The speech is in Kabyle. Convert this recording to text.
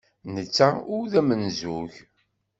Netta ur d amenzug.